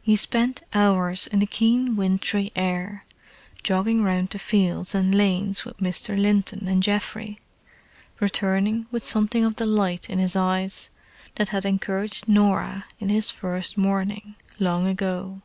He spent hours in the keen wintry air, jogging round the fields and lanes with Mr. Linton and Geoffrey, returning with something of the light in his eyes that had encouraged Norah in his first morning, long ago.